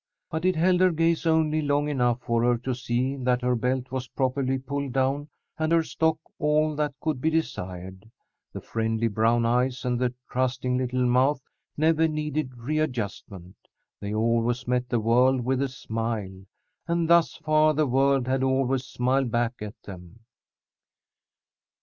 But it held her gaze only long enough for her to see that her belt was properly pulled down and her stock all that could be desired. The friendly brown eyes and the trusting little mouth never needed readjustment. They always met the world with a smile, and thus far the world had always smiled back at them.